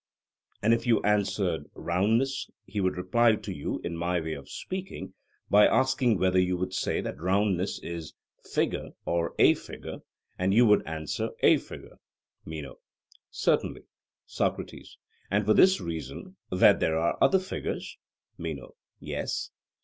And if you answered 'roundness,' he would reply to you, in my way of speaking, by asking whether you would say that roundness is 'figure' or 'a figure;' and you would answer 'a figure.' MENO: Certainly. SOCRATES: And for this reason that there are other figures? MENO: Yes.